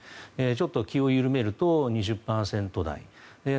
ちょっと気を緩めると２０％台。